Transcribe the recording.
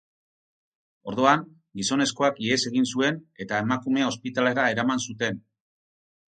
Orduan, gizonezkoak ihes egin zuen, eta emakumea ospitalera eraman zuten.